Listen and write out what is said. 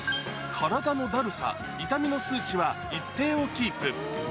体のだるさ、痛みの数値は一定をキープ。